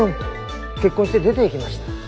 結婚して出ていきました。